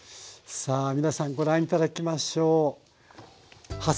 さあ皆さんご覧頂きましょう。